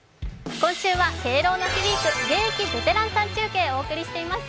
今週は「敬老の日ウィーク！現役ベテランさん中継」をお送りしています。